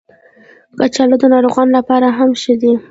کچالو د ناروغانو لپاره هم ښه دي